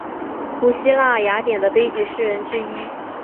古希腊雅典的悲剧诗人之一。